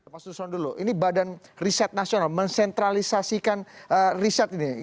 mas nusron dulu ini badan riset nasional mensentralisasikan riset ini